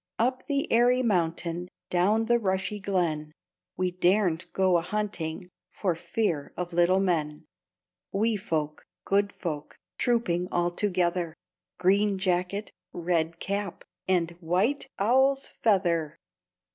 Up the airy mountain, Down the rushy glen, We daren't go a hunting For fear of little men; Wee folk, good folk, Trooping all together; Green jacket, red cap, And white owl's feather!